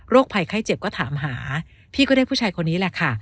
ภัยไข้เจ็บก็ถามหาพี่ก็ได้ผู้ชายคนนี้แหละค่ะ